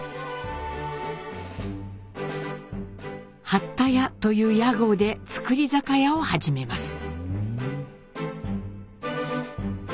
「八田屋」という屋号で造り酒屋を始めます。